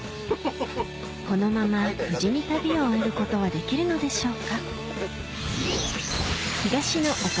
このまま無事に旅を終えることはできるのでしょうか？